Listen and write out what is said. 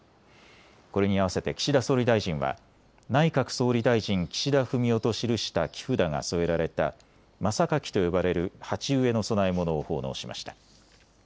これに合わせて岸田総理大臣は内閣総理大臣岸田文雄と記した木札が添えられた真榊と呼ばれる鉢植えの供え物を奉納しました。